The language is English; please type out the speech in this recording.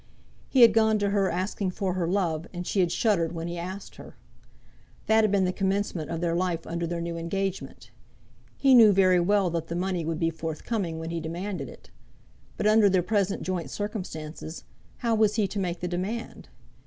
He had gone to her asking for her love, and she had shuddered when he asked her. That had been the commencement of their life under their new engagement. He knew very well that the money would be forthcoming when he demanded it, but under their present joint circumstances, how was he to make the demand?